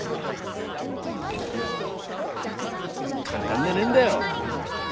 簡単でねえんだよ